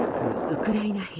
ウクライナ兵。